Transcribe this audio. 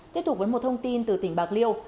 tiếp tục với một thông tin từ tỉnh bạc liêu